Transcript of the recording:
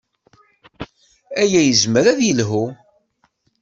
Aya yezmer ad yelḥu.